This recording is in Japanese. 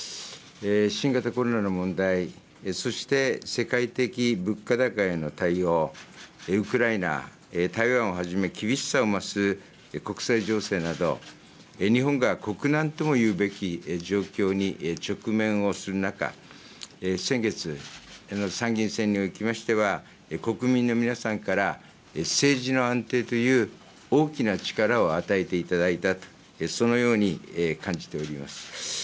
新型コロナの問題、そして世界的物価高への対応、ウクライナ、台湾をはじめ、厳しさを増す国際情勢など、日本が国難ともいうべき状況に直面をする中、先月、参議院選におきましては、国民の皆さんから、政治の安定という大きな力を与えていただいたと、そのように感じております。